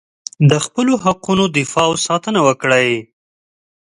د خپلو حقونو دفاع او ساتنه وکړئ.